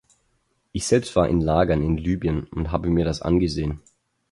Ich selbst war in Lagern in Libyen und habe mir das angesehen.